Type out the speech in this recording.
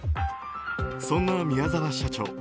そんな宮沢社長